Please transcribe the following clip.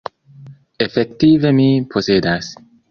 Efektive mi posedas.